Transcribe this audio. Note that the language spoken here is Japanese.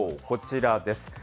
こちらです。